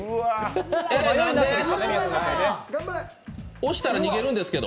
押したら逃げるんですけど。